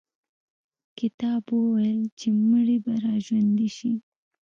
کتاب وویل چې مړي به را ژوندي شي.